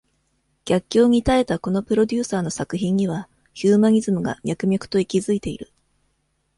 逆境に耐えたこのプロデューサーの作品には、ヒューマニズムが、脈々と息ずいている。